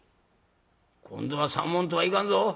今度は３文とはいかんぞ。